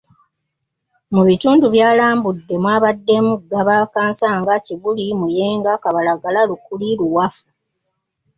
Mu bitundu byalambudde mwabaddemu; Gaba, Kansanga, Kibuli, Muyenga, Kabalagala, Lukuli, Luwafu.